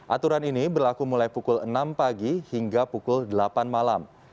aturan ini berlaku mulai pukul enam pagi hingga pukul delapan malam